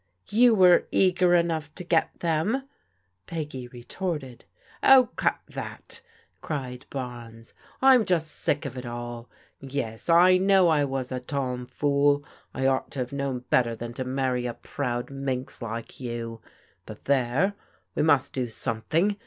" You were eager enough to get them," Peggy retorted. " Oh, cut that !" cried Barnes. " I'm just sick of it all. Yes, I know I was a tom fool; I ought to have known better than to marry a proud minx like you. But there, we must do something.